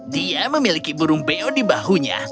dia memiliki burung beo di bahunya